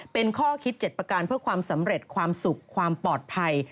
เป็นข้อคิด๗ประการเพื่อความสำเร็จความสุขความปลอดภัย